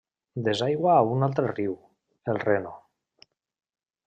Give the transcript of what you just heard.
Desaigua a un altre riu, el Reno.